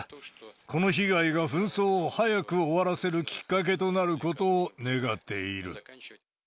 この被害が紛争を早く終わらせるきっかけとなることを願っている。